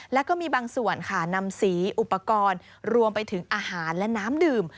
แล้วก็มีบางส่วนค่ะนำสีอุปกรณ์รวมไปถึงอาหารและน้ำดื่ม